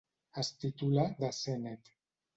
Es titula The Senate.